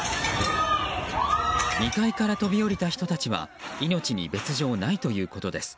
２階から飛び降りた人たちは命に別条ないということです。